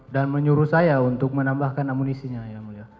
dan menyuruh saya untuk menambahkan amunisinya yang mulia